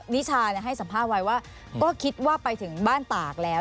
นิชาให้สัมภาษณ์ไว้ว่าก็คิดว่าไปถึงบ้านตากแล้ว